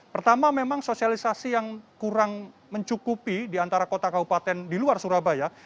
pertama memang sosialisasi yang kurang mencukupi di antara kota kabupaten di luar surabaya